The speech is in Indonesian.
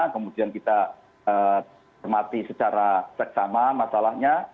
kemudian kita termati secara seksama masalahnya